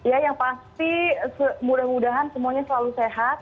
ya yang pasti mudah mudahan semuanya selalu sehat